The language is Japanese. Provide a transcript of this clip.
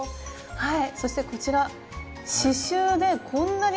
はい。